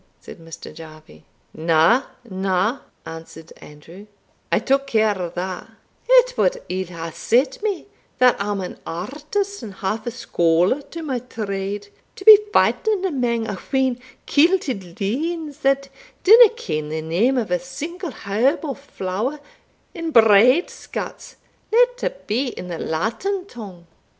said Mr. Jarvie. "Na, na," answered Andrew, "I took care o' that: it wad ill hae set me, that am an artist and half a scholar to my trade, to be fighting amang a wheen kilted loons that dinna ken the name o' a single herb or flower in braid Scots, let abee in the Latin tongue."